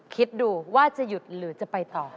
คิดดูว่าจะหยุดหรือจะไปต่อ